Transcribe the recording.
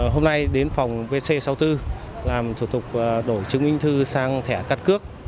hôm nay đến phòng vc sáu mươi bốn làm thủ tục đổi chứng minh thư sang thẻ căn cước